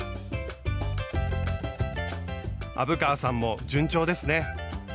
虻川さんも順調ですね。